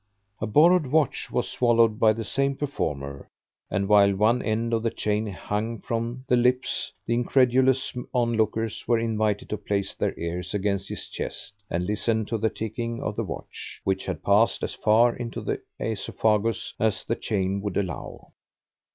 A borrowed watch was swallowed by the same performer, and while one end of the chain hung from the lips, the incredulous onlookers were invited to place their ears against his chest and listen to the ticking of the watch, which had passed as far into the aesophagus as the chain would allow.